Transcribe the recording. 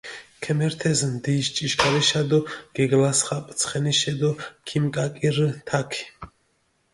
ქემერთჷ ნდიიში ჭიშქარიშა დო გეგლასხაპჷ ცხენიშე დო ქიმიკაკირჷ თაქი.